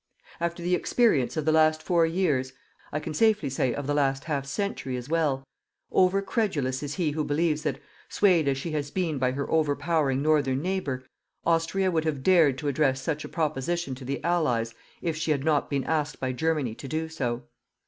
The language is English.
After the experience of the last four years I can safely say of the last half century as well over credulous is he who believes that, swayed as she has been by her overpowering northern neighbour, Austria would have dared to address such a proposition to the Allies if she had not been asked by Germany to do so.